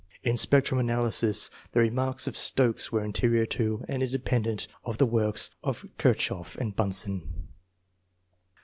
In spectrum analysis the re marks of Stokes were anterior to and independ ent of the works of Kirchhoff and Bunsen.